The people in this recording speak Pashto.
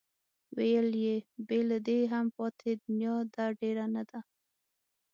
ویل یې بې له دې هم پاتې دنیا ده ډېره نه ده.